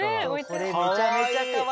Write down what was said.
これめちゃめちゃかわいくないですか？